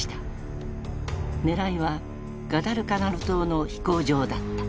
狙いはガダルカナル島の飛行場だった。